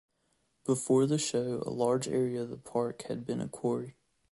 Before the show, a large area of the park had been a quarry.